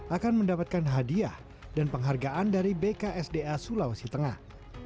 akan mendapatkan hadiah dan penghargaan dari bksda sulawesi tengah